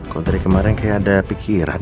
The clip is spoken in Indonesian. kok dari kemarin kayak ada pikiran